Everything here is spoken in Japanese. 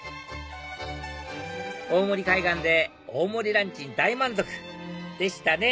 大森海岸で大盛りランチに大満足！でしたね！